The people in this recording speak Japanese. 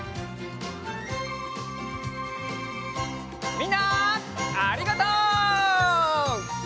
みんなありがとう！